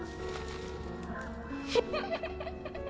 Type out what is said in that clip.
フフフ。